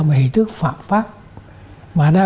một hình thức phạm pháp mà